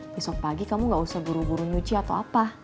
besok pagi kamu gak usah buru buru nyuci atau apa